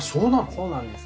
そうなんです。